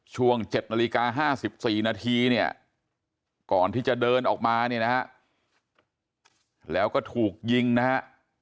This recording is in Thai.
ช่วง๗นาฬิกา๕๔นาทีเนี่ยก่อนที่จะเดินออกมาเนี่ยนะฮะแล้วก็ถูกยิงนะฮะ